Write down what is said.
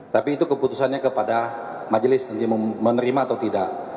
tapi itu keputusannya kepada majelis nanti menerima atau tidak